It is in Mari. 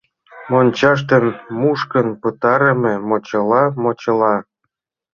Мончаште мушкын пытарыме мочыла, мочыла...